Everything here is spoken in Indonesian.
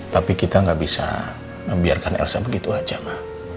tapi kita gak bisa membiarkan elsa begitu aja ma